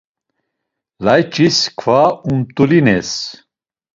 Layç̌is kva umtulines.